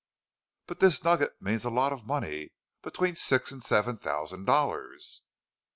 "But this nugget means a lot of money. Between six and seven thousand dollars."